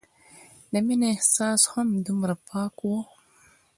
د مينې احساس هم دومره پاک وو